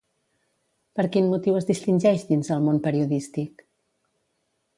Per quin motiu es distingeix dins el món periodístic?